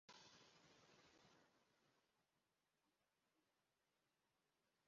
ndongera nsubira kwiga ubuzima bugenda neza